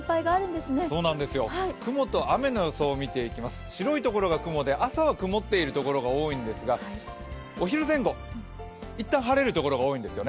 雲と雨の予想見ていきます、白いところが雲で、今朝は曇っているところが多いんですがお昼前後、一旦晴れるところが多いんですよね。